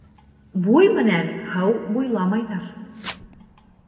Буй менән һыу буйламайҙар.